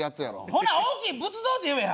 ほな「大きい仏像」って言えや！